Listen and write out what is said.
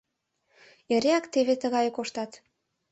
Эреак теве тыгае коштат.